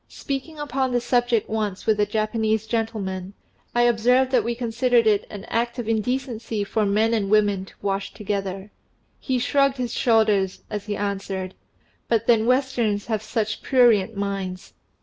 Speaking upon the subject once with a Japanese gentleman, I observed that we considered it an act of indecency for men and women to wash together. He shrugged his shoulders as he answered, "But then Westerns have such prurient minds."